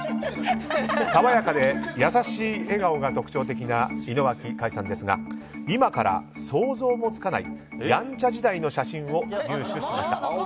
爽やかで優しい笑顔が特徴的な井之脇海さんですが今から想像もつかないやんちゃ時代の写真を入手しました。